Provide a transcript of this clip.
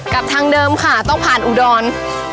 กับทางเดิมค่ะต้องผ่านอุดร